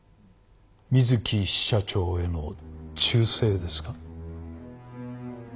水木支社長への忠誠ですか？